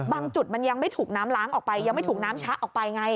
จุดมันยังไม่ถูกน้ำล้างออกไปยังไม่ถูกน้ำชะออกไปไง